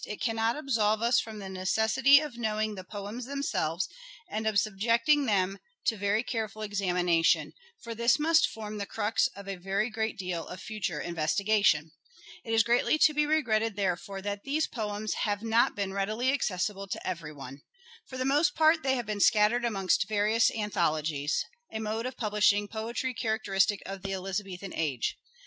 it cannot absolve us from tne necessity of knowing the poems themselves and of subjecting them to a very •The Muse«. EDWARD DE VERE AS LYRIC POET 155 careful examination, for this must form the crux of a very great deal of future investigation. It is greatly to be regretted, therefore, that these poems have not been readily accessible to every one. For the most part they have been scattered amongst various anthologies ; a mode of publishing poetry characteristic of the Elizabethan age.